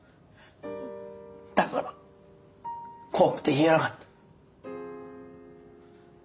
だから怖くて言えなかった。